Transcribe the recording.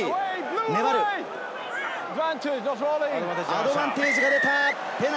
アドバンテージが出た。